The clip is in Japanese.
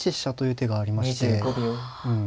うん。